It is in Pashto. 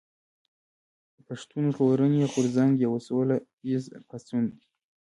پښتون ژغورني غورځنګ يو سوله ايز پاڅون دي